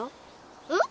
うん？